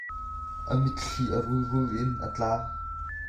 A mitthli a rulrul in a tla.